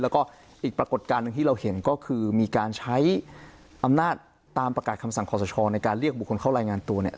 แล้วก็อีกปรากฏการณ์หนึ่งที่เราเห็นก็คือมีการใช้อำนาจตามประกาศคำสั่งขอสชในการเรียกบุคคลเข้ารายงานตัวเนี่ย